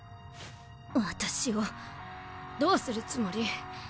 私をどうするつもり？